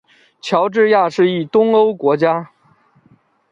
乔治亚是一东欧国家。